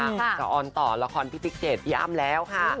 เดี๋ยวมากับส่วนต่อละครพี่ติ๊กเจดย่ามแล้วค่ะ